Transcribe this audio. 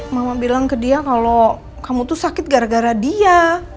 mama bilang ke dia kalau kamu tuh sakit gara gara dia